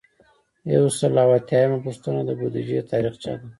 یو سل او اتیایمه پوښتنه د بودیجې تاریخچه ده.